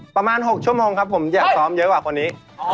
ประมาณ๖ชั่วโมงครับผมอยากซ้อมเยอะกว่าคนนี้